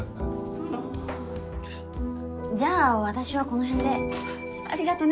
もうじゃあ私はこの辺でありがとね